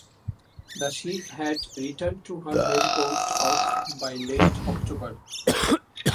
The ship had returned to her home port of by late October.